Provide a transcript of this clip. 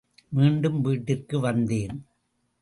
மீண்டும் வீட்டிற்கு வந்தேன்.